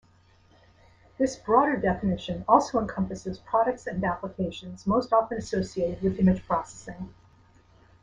This broader definition also encompasses products and applications most often associated with image processing.